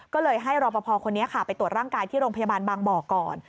ก็เลยให้รอปภคนนี้ค่ะไปตรวจร่างกายที่โรงพยาบาลบางบ่อก่อน